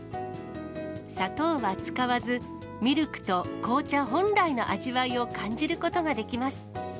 砂糖は使わず、ミルクと紅茶本来の味わいを感じることができます。